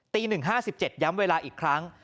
ตีหนึ่งห้าสิบเจ็ดย้ำเวลาอีกครั้ง